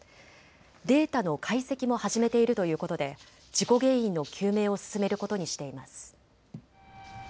データの解析も始めているということで事故原因の究明を進めることにしています。